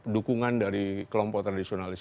dukungan dari kelompok tradisionalis